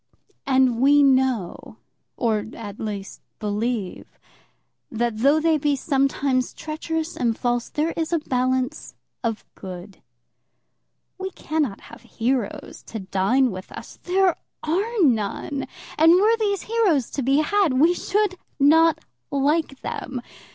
And we know or, at least, believe, that though they be sometimes treacherous and false, there is a balance of good. We cannot have heroes to dine with us. There are none. And were these heroes to be had, we should not like them.